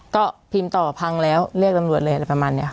ก็พิมพ์ต่อพังแล้วเรียกตำรวจเลยอะไรประมาณนี้ค่ะ